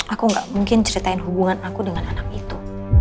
aku gak mungkin ceritain hubungan aku dengan anak itu